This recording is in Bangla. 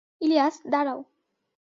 ইলিয়াস, দাঁড়াও!